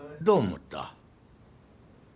どう思った？